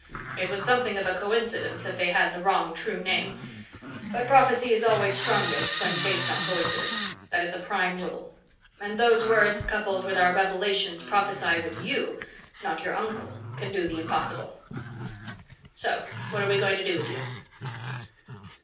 It was something of a coincidence that they had the wrong true name. But prophecy is always strongest when based on coincidence that is a prime rule. And those words coupled with our revelations prophesy that you not your uncle can do the impossible. So what are we going to do with you?"